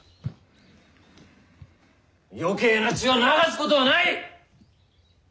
余計な血を流すことはない！